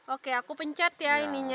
oke aku pencet ya ininya